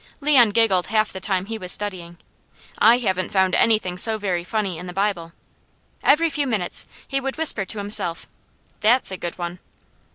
Leon giggled half the time he was studying. I haven't found anything so very funny in the Bible. Every few minutes he would whisper to himself: "THAT'S A GOOD ONE!"